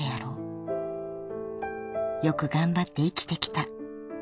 ［よく頑張って生きてきた］